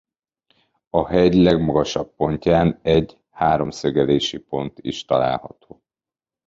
A hegy legmagasabb pontján egy háromszögelési pont is található.